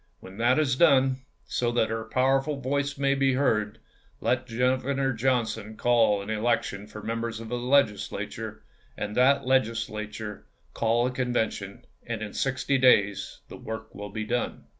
When that is done, so that her powerful voice may be heard, let Governor Johnson call an election for members of the Legislature, and that Legislature call a Convention, and in sixty days the Hurlbut to Lincoln, 1863!'" M8. work will be done."